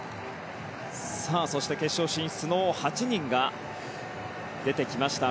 そして決勝進出の８人が出てきました。